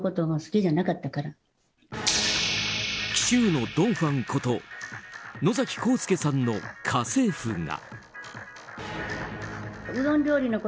紀州のドン・ファンこと野崎幸助さんの家政婦が。